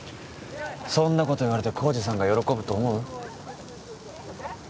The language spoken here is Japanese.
そんなこと言われて晃司さんが喜ぶと思う？